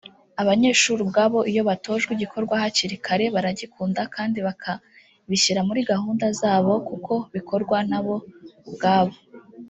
Abanyeshuri ubwabo iyo batojwe igikorwa hakiri kare baragikunda kandi bakabishyira muri gahunda zabo kuko bikorwa na bo ubwabo